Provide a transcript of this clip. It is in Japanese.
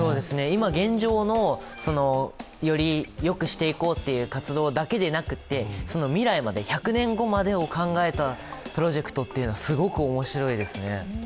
今、現状のよりよくしていこうという活動だけでなくて、未来まで、１００年後までを考えたプロジェクトというのはすごく面白いですね。